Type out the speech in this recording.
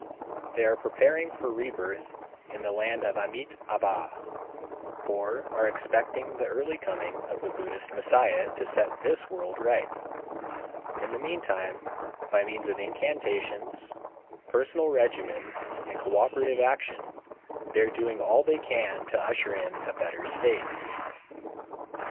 They are preparing for rebirth in the land of Amitâbha, or are expecting the early coming of the Buddhist Messiah to set this world right. In the meantime, by means of incantations, personal regimen and cooperative action they are doing all they can to usher in a better state.